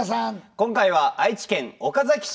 今回は愛知県岡崎市。